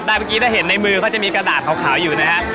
เมื่อกี้ถ้าเห็นในมือเขาจะมีกระดาษขาวอยู่นะครับ